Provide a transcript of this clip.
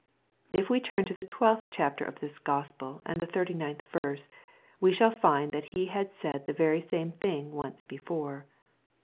If we turn to the twelfth chapter of this Gospel and the 39 th verse, we shall find that He had said the very same thing once before.